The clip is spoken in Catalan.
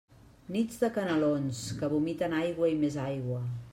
Nits de canalons que vomiten aigua i més aigua.